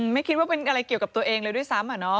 ไม่คิดว่าเป็นอะไรเกี่ยวกับตัวเองเลยด้วยซ้ำ